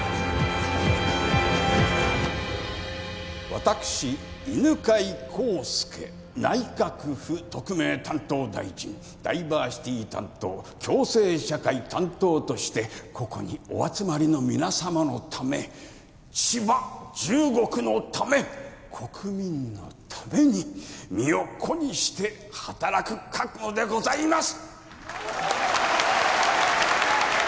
私犬飼孝介内閣府特命担当大臣ダイバーシティー担当共生社会担当としてここにお集まりの皆様のため千葉１５区のため国民のために身を粉にして働く覚悟でございます！